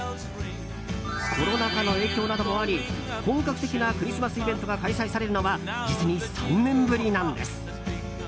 コロナ禍の影響などもあり本格的なクリスマスイベントが開催されるのは実に３年ぶりなんです。